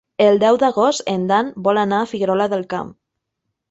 El deu d'agost en Dan vol anar a Figuerola del Camp.